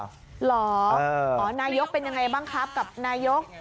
เหรอนายกเป็นยังไงบ้างครับกับนายก